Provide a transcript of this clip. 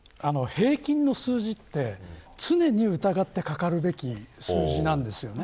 平均の数字って、常に疑ってかかるべき数字なんですよね。